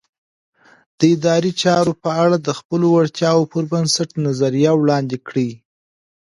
د ادارې چارو په اړه د خپلو وړتیاوو پر بنسټ نظریه وړاندې کړئ.